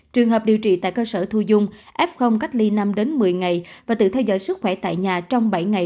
trường hợp điều trị tại cơ sở thu dung f cách ly năm một mươi ngày và tự theo dõi sức khỏe tại nhà trong bảy ngày